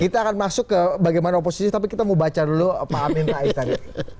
kita akan masuk ke bagaimana oposisi tapi kita mau baca dulu pak amin rais tadi